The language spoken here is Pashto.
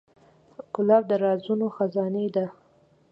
ګلاب د رازونو خزانې ده.